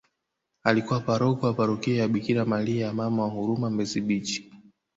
Alikuwa paroko wa parokia ya Bikira maria Mama wa huruma mbezi baech